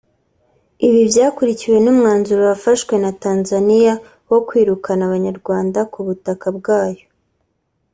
Ibi byakurikiwe n’umwanzuro wafashwe na Tanzania wo kwirukana Abanyarwanda ku butaka bwayo